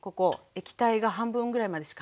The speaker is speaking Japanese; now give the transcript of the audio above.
液体が半分ぐらいまでしか入ってない。